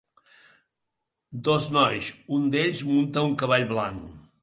Dos nois, un d'ells munta un cavall blanc.